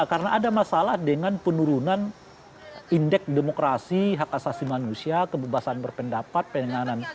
karena ada masalah dengan penurunan indeks demokrasi hak asasi manusia kebebasan berpendapat penenganan